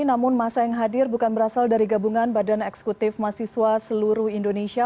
namun masa yang hadir bukan berasal dari gabungan badan eksekutif mahasiswa seluruh indonesia